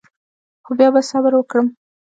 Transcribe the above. خو بیا به صبر وکړم.